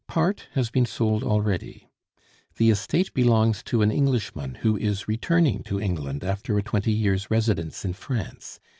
Part has been sold already. The estate belongs to an Englishman who is returning to England after a twenty years' residence in France.